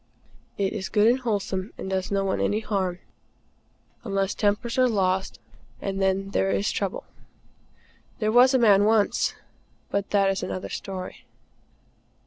It is good and wholesome, and does no one any harm, unless tempers are lost; and then there is trouble. There was a man once but that is another story.